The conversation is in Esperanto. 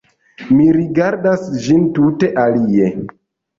Mi rigardas ĝin tute alie.